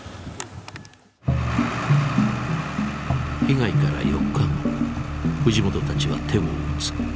被害から４日後藤本たちは手を打つ。